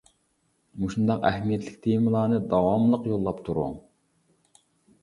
مۇشۇنداق ئەھمىيەتلىك تېمىلارنى داۋاملىق يوللاپ تۇرۇڭ.